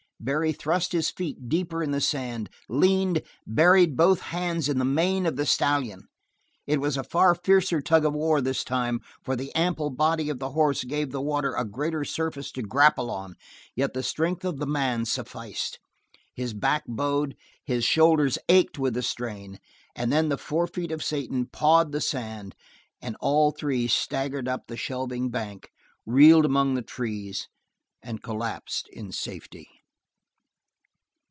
Barry thrust his feet deeper in the sand, leaned, buried both hands in the mane of the stallion. It was a far fiercer tug of war this time, for the ample body of the horse gave the water a greater surface to grapple on, yet the strength of the man sufficed. His back bowed; his shoulders ached with the strain; and then the forefeet of Satan pawed the sand, and all three staggered up the shelving bank, reeled among the trees, and collapsed in safety.